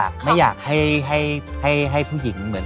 ภรรยามีแอบหึงมั้ย